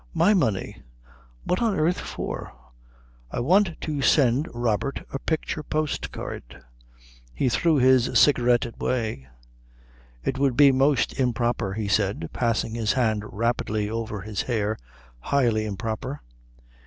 "My money." "What on earth for?" "I want to send Robert a picture postcard." He threw his cigarette away. "It would be most improper," he said, passing his hand rapidly over his hair. "Highly improper."